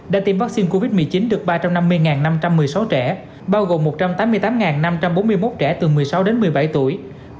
đã tiêm vaccine covid một mươi chín được ba trăm năm mươi năm trăm một mươi sáu trẻ bao gồm một trăm tám mươi tám năm trăm bốn mươi một trẻ từ một mươi sáu đến một mươi bảy tuổi